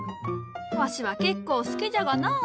わしは結構好きじゃがなぁ。